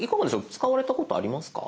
使われたことありますか？